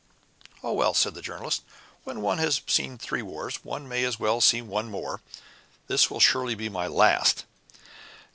"Oh, well," said the Journalist, "when one has seen three wars, one may as well see one more. This will surely be my last."